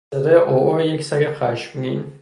صدای عوعو یک سگ خشمگین